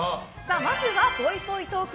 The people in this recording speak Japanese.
まずはぽいぽいトーク。